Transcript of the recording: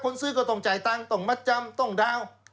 ซื้อก็ต้องจ่ายตังค์ต้องมัดจำต้องดาวน์